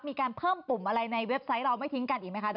มีการเพิ่มปุ่มอะไรในเว็บไซต์เราไม่ทิ้งกันอีกไหมคะ